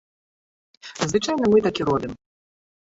Звычайна мы так і робім.